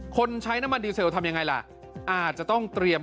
ใช้น้ำมันดีเซลทำยังไงล่ะอาจจะต้องเตรียม